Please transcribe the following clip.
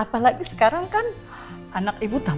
apalagi sekarang kan anak ibu tambah satu